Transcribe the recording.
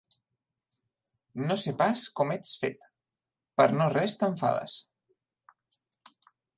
No sé pas com ets fet: per no res t'enfades.